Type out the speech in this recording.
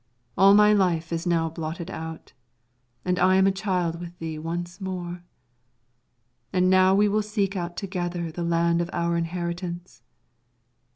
All my life is now blotted out, and I am a child with thee once more. And now we will seek out together the land of our inheritance.